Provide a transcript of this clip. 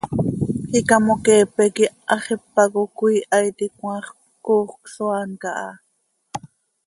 Icamoqueepe quih hax ipac oo cöiiha iti, cmaax coox cösoaan caha.